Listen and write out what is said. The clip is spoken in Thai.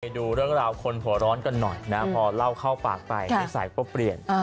ดูเรื่องราวคนหัวร้อนกันหน่อยนะพอเล่าเข้าปากไปนิสัยก็เปลี่ยน